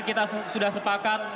kita sudah sepakat